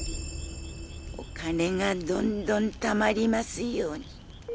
お金がどんどんたまりますように。